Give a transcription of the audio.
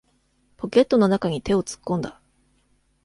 ポケットの中に手を突っ込んだ。